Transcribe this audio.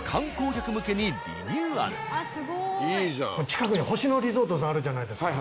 近くに星野リゾートさんあるじゃないですか。